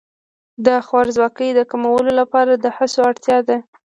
د خوارځواکۍ د کمولو لپاره د هڅو اړتیا ده.